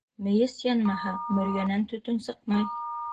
Мейес янмаһа, мөрйәнән төтөн сыҡмай.